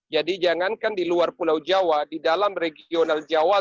jadi jangankan di luar pulau jawa di dalam regional jawa saja